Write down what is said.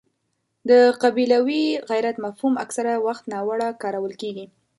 د قبیلوي غیرت مفهوم اکثره وخت ناوړه کارول کېږي.